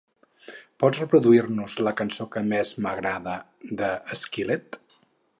Pots reproduir-nos la cançó que més m'agrada de Skillet?